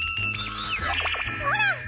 ほら！